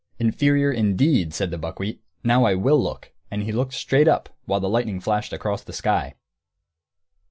"'Inferior,' indeed!" said the buckwheat. "Now I will look!" And he looked straight up, while the lightning flashed across the sky.